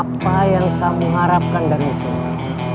apa yang kamu harapkan dari saya